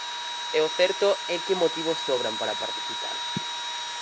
E o certo é que motivos sobran para participar.